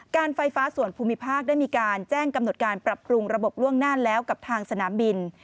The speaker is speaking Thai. การไฟฟ้าส่วนภูมิภาคได้มีการแจ้งกำหนดการปรับปรุงระบบล่วงหน้าแล้วกับทางสนามบิน